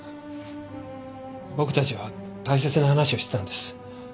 僕たちは大切な話をしてたんです。